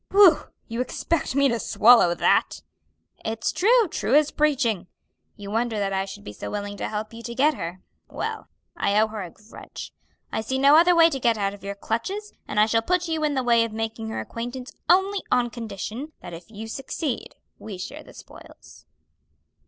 "Whew! You expect me to swallow that?" "It's true, true as preaching. You wonder that I should be so willing to help you to get her. Well, I owe her a grudge, I see no other way to get out of your clutches, and I shall put you in the way of making her acquaintance only on condition that if you succeed we share the spoils."